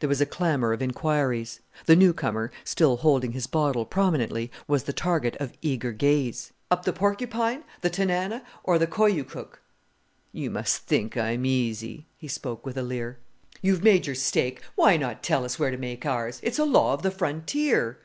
There was a clamour of inquiries. The new comer, still holding his bottle prominently, was the target of eager gaze. "Up the Porcupine the Tanana, or the Koyukuck?" "You must think I'm easy!" He spoke with a leer. "You've made your stake, why not tell us where to make ours? It's a law of the frontier."